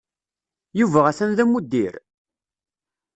Yuba atan d amuddir?